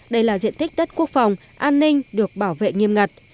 đây là diện tích đất quốc phòng an ninh được bảo vệ nghiêm ngặt